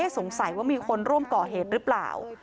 สงสัยว่ามีคนร่วมก่อเหตุหรือเปล่า